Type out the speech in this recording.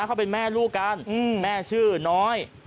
เขาเป็นแม่ลูกกันแม่ชื่อน้อย